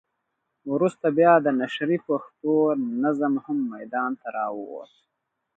وروسته بیا د نشرې پښتو نظم هم ميدان ته راووت.